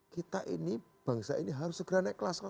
kita ini bangsa ini harus segera naik kelas